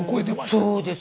そうですね。